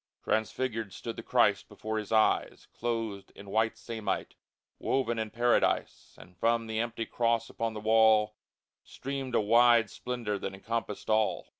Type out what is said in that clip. Transfigured stood the Christ before his eyes, Clothed in white samite, woven in Paradise, And from the empty cross upon the wall Streamed a wide splendor that encompassed all